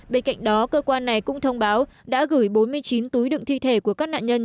bên cạnh đó cơ quan này cũng thông báo đã gửi bốn mươi chín túi đựng thi thể của các nạn nhân